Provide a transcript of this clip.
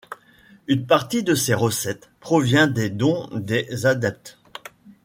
Une partie de ces recettes provient des dons des adeptes.